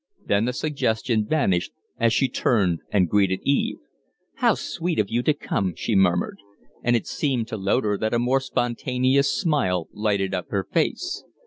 Then the suggestion vanished as she turned and greeted Eve. "How sweet of you to come!" she murmured. And it seemed to Loder that a more spontaneous smile lighted up her face.